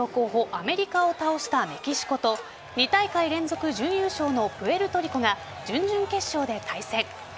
・アメリカを倒したメキシコと２大会連続準優勝のプエルトリコが準々決勝で対戦。